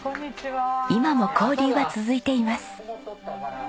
今も交流は続いています。